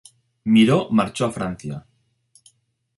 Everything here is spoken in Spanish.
Miró marchó a Francia.